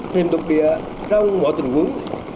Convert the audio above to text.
thêm độc địa trong mọi tình huống